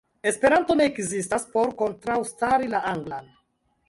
Esperanto ne ekzistas por kontraŭstari la anglan.